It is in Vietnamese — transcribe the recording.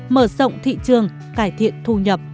mở rộng thị trường cải thiện thu nhập